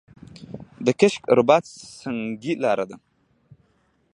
د کشک رباط سنګي لاره ده